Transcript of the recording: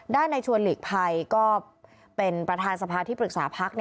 ในชวนหลีกภัยก็เป็นประธานสภาที่ปรึกษาพัก